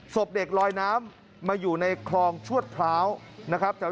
ศพเด็กลอยน้ำมาอยู่ในครองชวดพร้าว